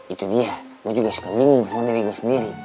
itu dia gue juga suka bingung sama diri gue sendiri